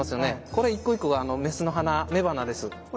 これ一個一個が雌の花雌花です。